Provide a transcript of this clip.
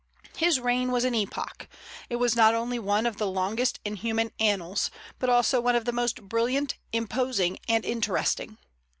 His reign was an epoch; it was not only one of the longest in human annals, but also one of the most brilliant, imposing, and interesting.